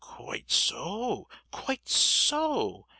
"Quite so, quite so.